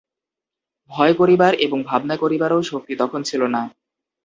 ভয় করিবার এবং ভাবনা করিবারও শক্তি তখন ছিল না।